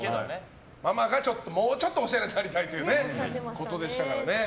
ママがもうちょっとオシャレになりたいということでしたからね。